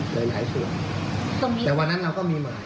หลายส่วนแต่วันนั้นเราก็มีใหม่